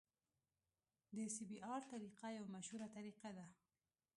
د سی بي ار طریقه یوه مشهوره طریقه ده